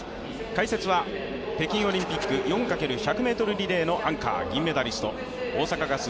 解説は北京オリンピック４×１００ｍリレーのアンカー銀メダリスト、大阪ガス